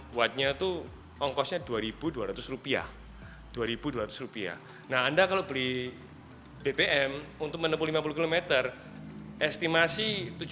kuatnya tuh ongkosnya dua ribu dua ratus rupiah dua ribu dua ratus rupiah nah anda kalau beli bbm untuk menempuh lima puluh km estimasi